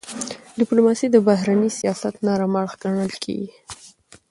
ډيپلوماسي د بهرني سیاست نرم اړخ ګڼل کېږي.